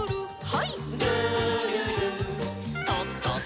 はい。